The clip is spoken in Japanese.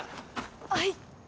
はい。